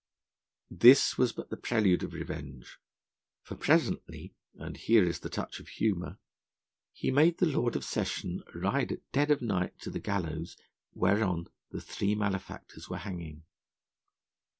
This was but the prelude of revenge, for presently (and here is the touch of humour) he made the Lord of Session ride at dead of night to the gallows, whereon the three malefactors were hanging.